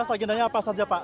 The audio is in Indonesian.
agendanya apa pak